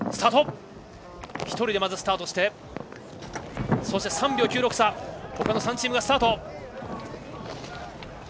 １人でまずスタートしてそして、３秒９６差でほかの３チーム、スタート。